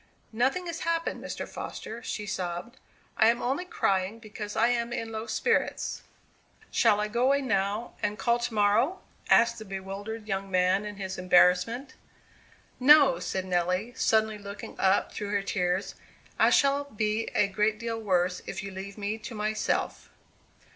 "Nothing has happened, Mr. Foster," she sobbed. "I am only crying because I am in low spirits." "Shall I go away now, and call to morrow?" asked the bewildered young man in his embarrassment. "No," said Nelly, suddenly looking up through her tears; "I shall be a great deal worse if you leave me to myself!"